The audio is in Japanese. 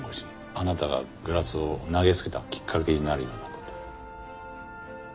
あなたがグラスを投げつけたきっかけになるような事。